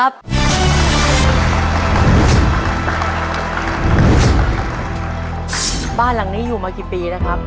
บ้านหลังนี้อยู่มากี่ปีแล้วครับ